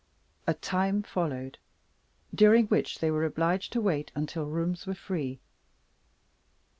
A time followed, during which they were obliged to wait until rooms were free.